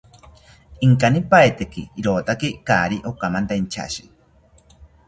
Inkanipaeteki rotaki kaari okamanta inchashi